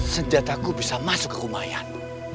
senjata aku bisa masuk ke kumayan